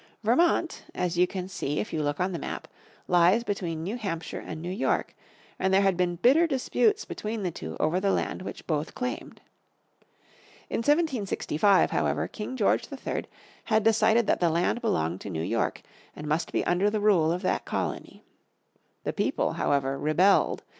Vermont, as you can see if you look on the map, lies between New Hampshire and New York, and there had been bitter disputes between the two over the land which both claimed. In 1765, however, King George III had decided that the land belonged to New York, and must be under the rule of that colony. The people, however, rebelled.